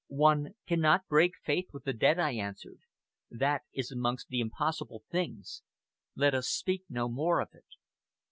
"One cannot break faith with the dead," I answered. "That is amongst the impossible things. Let us speak no more of it."